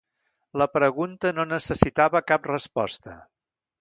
La pregunta no necessitava cap resposta.